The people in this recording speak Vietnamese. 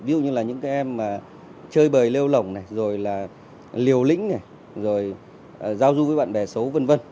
ví dụ như là những em chơi bời lêu lỏng liều lĩnh giao du với bạn bè xấu v v